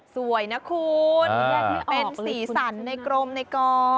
สวยนะคุณแยกที่เป็นสีสันในกรมในกรอบ